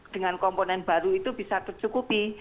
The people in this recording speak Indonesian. dengan komponen baru itu bisa tercukupi